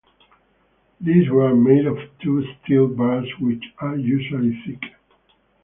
These were made of two steel bars which are usually thick.